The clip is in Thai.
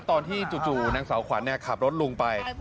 ตอนที่จู่นางสาวขวัญเนี่ยขับรถลุงไป